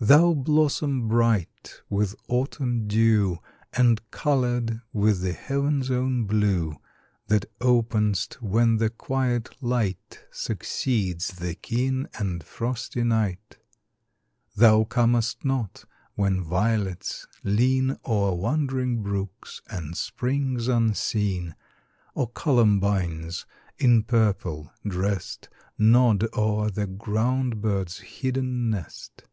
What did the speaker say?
Thou blossom bright with autumn dew, And coloured with the heaven's own blue, That openest when the quiet light Succeeds the keen and frosty night. Thou comest not when violets lean O'er wandering brooks and springs unseen, Or columbines, in purple dressed, Nod o'er the ground bird's hidden nest.